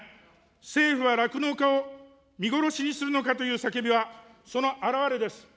政府は酪農家を見殺しにするのかという叫びは、その表れです。